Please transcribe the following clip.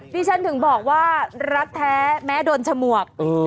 ดิฉันถึงบอกว่ารักแท้แม้โดนฉมวก